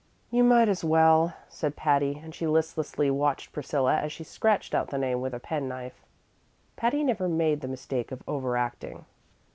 "You might as well," said Patty, and she listlessly watched Priscilla as she scratched out the name with a penknife. Patty never made the mistake of over acting.